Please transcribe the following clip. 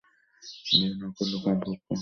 বিয়ে না করলেও, কমপক্ষে একটি ফটো তো তোলা যায়।